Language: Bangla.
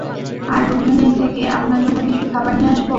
আর রুকমিনির থেকে আপনার জন্য কিছু খাবার নিয়ে আসবো।